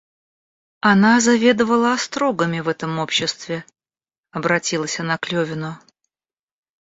Она заведывала острогами в этом обществе, — обратилась она к Левину.